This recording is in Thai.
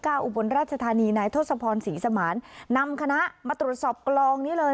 อุบลราชธานีนายทศพรศรีสมานนำคณะมาตรวจสอบกลองนี้เลย